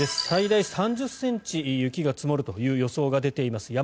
最大３０ｃｍ、雪が積もるという予想が出ています